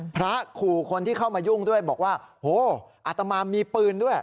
ขู่คนที่เข้ามายุ่งด้วยบอกว่าโหอัตมามีปืนด้วย